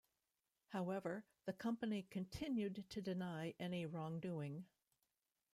However, the company continued to deny any wrongdoing.